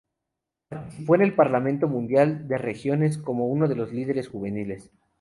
Participó en el Parlamento Mundial de Religiones como uno de los líderes juveniles.